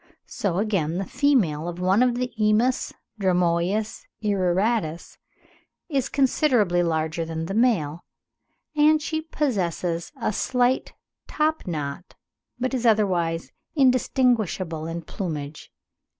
So again the female of one of the emus (Dromoeus irroratus) is considerably larger than the male, and she possesses a slight top knot, but is otherwise indistinguishable in plumage.